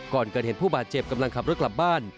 ก่อนเกิดเหตุผู้บาดเจ็บกำลังขับรถกลับบ้าน